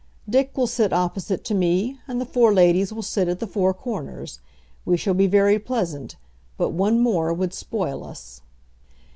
Dick will sit opposite to me, and the four ladies will sit at the four corners. We shall be very pleasant, but one more would spoil us."